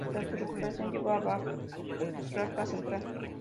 Tras su recuperación, llegó a Barracas Central.